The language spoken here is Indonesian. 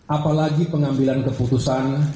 apalagi pengambilan keputusan